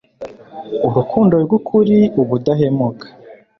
Urukundo RwukuriUbudahemuka